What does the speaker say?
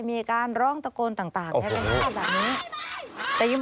มีอาการร้องตะโกนต่าง